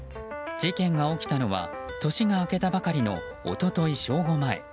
事件が起きたのは年が明けたばかりの一昨日正午前。